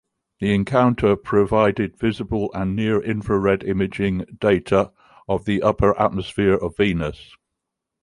The encounter provided visible and near-infrared imaging data of the upper atmosphere of Venus.